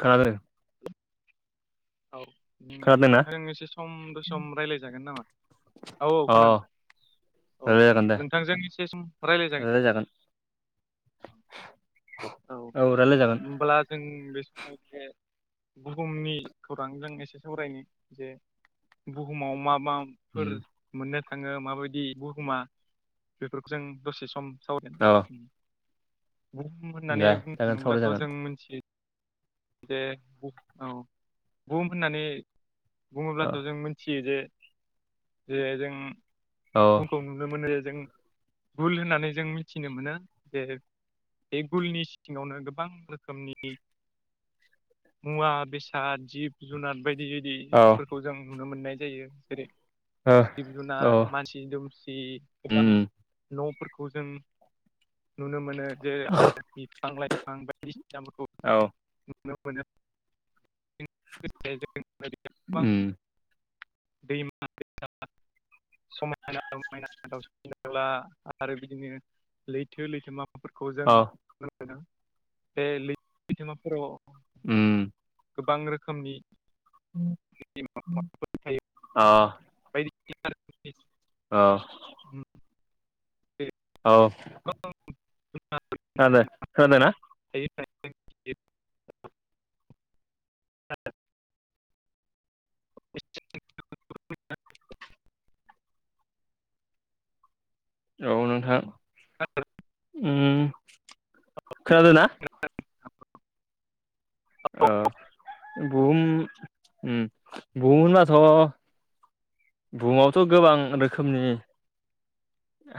खोनादों औ। खोनादोंना नोंथां एसे सम दसे सम रायज्लायजागोन नामा औ औ अ खोनादों। औ रायलाय जागोन दे नोंथांजों एसे सम रायलाय रायज्लायजागोन जागोन औ रायलाय जागोन होनब्ला जों बे समाव बे बुहुमनि खौरांजों एसे सावरायनि जे बुहुमाव मा मा फोर उम मोननो थाङो माबायदि बुहुमा बेफोरखौ जों दसे सम औ सावरायजागोन होननानै दे बुंनो जागोन सावराय थाङोब्लाथ' जागोन जों मोनथियो जे औ बुहुम होननानै औ बुङोब्लाथ' जों मिथियो जे जे जों औ बुमखौ नुनो मोनो जे जों भुल होननानै जों मिथिनो मोनो जे बे गुलनि सिङावनो गोबां रोखोमनि। मुवा बेसाद जिब जुनार बायदि औ जों नुनो मोननाय जायो जेरै ओ जिब औ जुनार मानसि मानसि दुमसि गोबां उम न'फोरखौ जों नुनो मोनो जेरै आ बिफां लाइफां बायदिसिनाफोरखौ औ नुनो मोनो [unintelligible] उम। दैमा दै समायना रायना दाउसिन दाउला आरो बिदिनो लैथो लैथोमा फोरखौ जों औ ननो मोनदों बे लैथो लैथोमाफोराव उम। गोबां रोखोमनि [unintelligible] थायो अ बायदिसिना औ। उम औ आ दे खोनादों खोनादों ना? थायो [unintelligible] औ नोंथां। औ। खोनादों ना? [unintelligible] औ बुहुम बुहुम होनबाथ' बुहुमावथ' गोबां रोखोमनि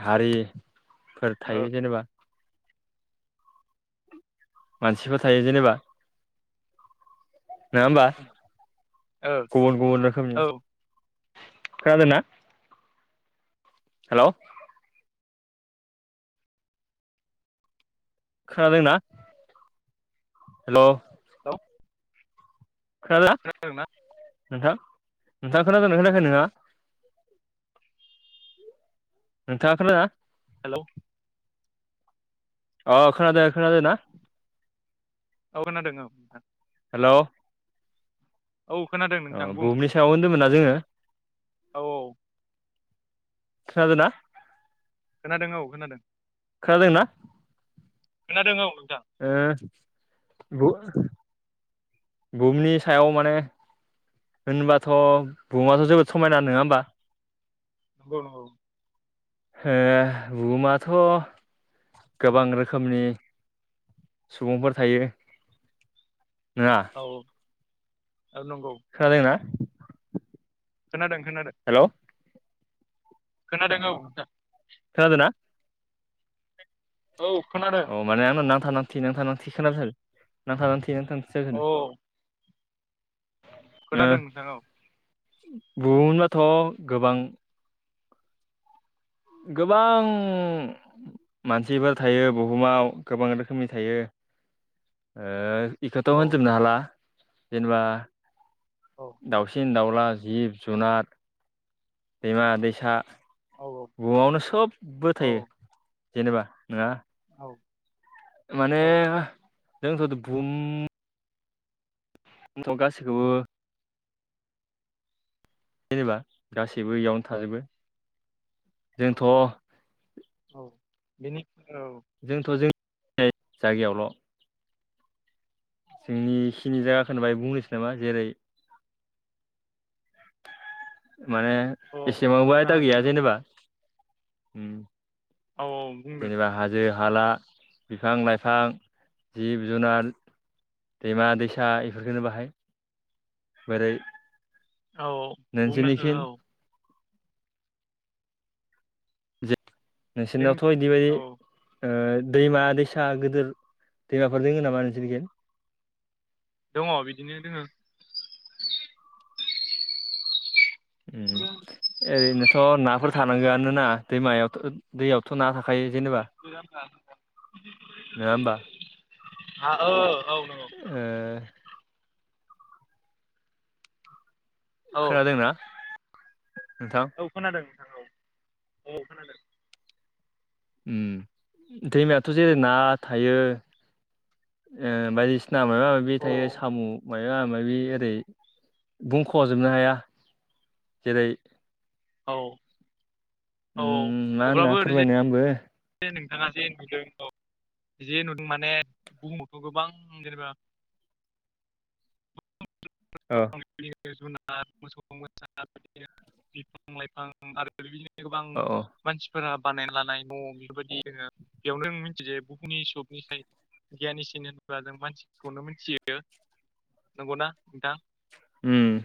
हारिफोर औ थायो जेनेबा मानसिफोर थायो जेनेबा नङा होमबा ओ गुबुन गुबुन रोखोमनि खोनादों ना? हेलौ। खोनादों ना? औ। हेल' [inaudible] खोनादों ना नोंथां नोंथाङा खोनादोंना खोनायाखै नोंथाङा ङा नोंथाङा खोनादोंना? हेलौ अ खोनादों खोनादों ना? औ खोनादों औ नोंथां हेल' औ खोनादों। अ नोंथां बुं बुहुमनि सायाव होनदोंमोनना जोङो औ खोनादोंना! खोनादों औ खोनादों। खोनादों ना? खोनादों औ नोंथां ओ [inaudible] बिनि सायाव माने होनबाथ' बुहुमाथ' जोबोद समायना नङा होनोमबा नंगौ नंगौ बुहुमाथ' गोबां रोखोमनि सुबुंफोर थायो नङा। औ आ नंगौ। खोनादों ना? खोनादों खोनादों। हेल'। खोनादों औ। खोनादोंना औ खोनादों। अ माने आंनाव नांथा नांथि नाथां नांथि खोनाबाय थादों थै नांथां थिसोनो औ ओ खोनादों नोंथां औ बनोबाथ' गोबां गोबां मानसिफोर थायो बुहुमाव गोबां रोखोमनि थायो। बेखौथ' औ होनजोबनो हाला जेनेबा औ। दाउसिन दाउला जिब जुनार दैमा दैसा औ बुुमआवनो सबबो औ थायो जेनेबा नङा। औ माने औ जोंथुम थ' गासैखौबो जेनेबा गासैबो इयावनो थाजोबो औ जोंथ' औ बेनि औ जोंथ' जोंनि जायगायावल' जोंनिखिनि जायाखौ होन बाय बुंनोसै नामा जेरै माने औ एसेमावबो बुंनो आयदा हागोन गैया औ जेनेबा। औ बुंनो जेनेबा हाज जो हाला बिफां लाइफां जिब जुनार दैमा दैसा बेफोरखौनो बाहाय बोरै औ बुंनो नोंसोरनिखै हो जे नोंसोरनावथ' बिदिबायदि औ ओ दैमा दैसा गिदिर दैमाफोर दोङो नामा नोंसोरनिखि? दङ बिदिनो दोङो ओरैनोथ' नाफोर थानांगोआनोना दैमायावथ' दैयावथ' ना थाखायो जेन नङा होमबा औ औ नंगौ ओ औ खोनादोंना नोंथां? औ खोनादों नोंथां औ औ खोनादों। दैमायाथ' जेरै ना थायो बायदिसिना बिना माबा माबि औ थायो साम' या माबि ओरै बुंखव जोबनो हाया जेरै औ औ औ अब्लाबो ओरैज ओ ओमफाय नोंथाङा जे नुदों औ जे नुदों माने बुहुमावथ' गोबां जेनेबा [unintelligible] अ [unintelligible] अ अ मानसिफोरा बानायना लानाय न' बेफोरबायदि जोङो बेयावनो मिथिजायो बुहुमनि सबनि साय गियनि चेन होनोब्ला जों मानसिखौनो मिथियो नंगौना नोंथां? उम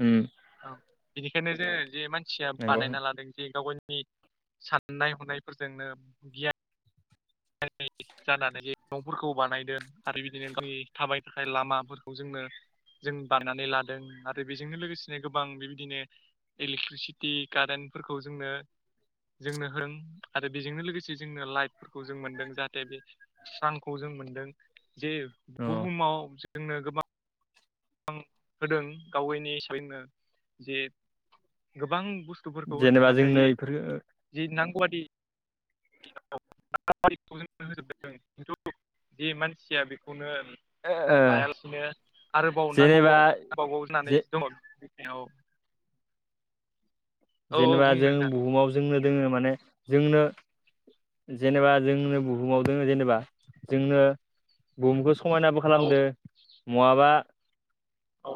उम औ बेनिखायनो जों जे मानसिया नंगौ बानायना अ लादों गाव गावनि साननाय हनायफोरजोंनो गियान जानानै जे नंफोरखौ बानायदों आरो बिबायदिनो जोंनि थाबायनो थाखाय लामाफोरखौ जोंनो जों बायनानै लादों आरो बेजोंनो लोगोसेनो गोबां बेबायदिनो इलेक्ट्रिसिटि कारेन्टफोरखौ जोंनो जोंनो हो आरो बेजोंनो लोगोसे जोंनो लाइफ जों मोनदों जाहाथे बे सानखौ जों मोनदों जे बुहुमाव जोंनो गोबां होदों गावैनि हिसाबैनो जे गोबां बुस्थु बथुफोरखौ होदों जेनेबा जोंनो नाथाय इफोरखो जि नांगौआादि [unintelligible] नाबारिखौ जों होजोबदों खिन्थु जे मानसिया बेखौनो ओ ओ लायालासिनो आरोबाव जेनेबा नांगौबावबावगाव जनानै जे दङाव औ औ जेनेबा बुं जों नोंथां बुहुमाव जोंनो दोङो माने जोंनो जेनेबा जोंनो बुहुमाव दङ जेनेबा जोंनो बुहुमखौ समायना ब औ खालामदो नहाबा औ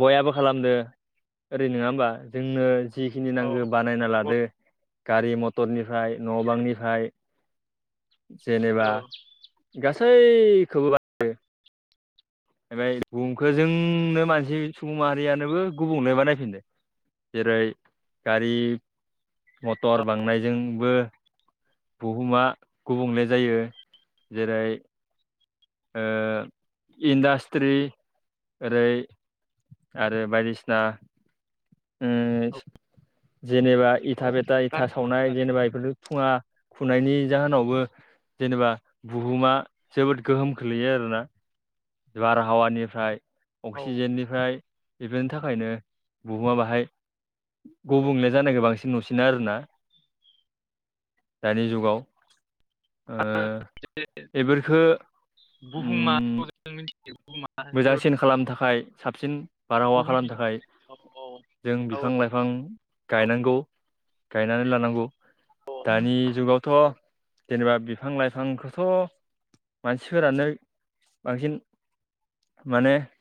बयाबो खालामदो ओरै नङा होमबा जोंनो जिखिनि औ नांगौ बानायना लादो। गारि मटरनिफ्राय न' बांनिफ्राय जेनेबा औ गासैखौबो ओमफफ्राय बुमखौ जोंनो मानसि सुबुं माहारियानोबो गुबुंले बानायफिनदों जेरै गारि औ मटर बांनायजोंबो बुहुमा गुबुंले जायो जेरै ओ इन्डास्ट्रि ओरै आरो बायदिसिना औ जेनेबा इथा औ बेथा इथा कारखाना सावनाय होननानै जेनेबा बेफोरलु फुुंखुनायनि जाहोनावबो जेनेबा बुहुमा जोबोद गोहोम खोलैयो आरोना बारहावानिफ्राय औ अक्सिजेननि ओमफ्राय बेफोरनि थाखायनो बुहुमा बाहाय औ गुबुंले जानायखौ बांसिन नुसिना आरोना दानि जुगाव ओ बेफोरखो बुहुम माहारिखौ मोजांसिन खालामनो [unintelligible] थाखाय साबसिन औ बारहावा खालामनो थाखाय औ जों औ बिफां औ गायनांगौ गायनानै लानांगौ औ दानि जुगावथ औ जेनेबा बिफां लाइफांखौथ' मानसिफोरानो बांसिन माने